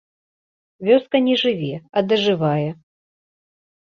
Вёска не жыве, а дажывае.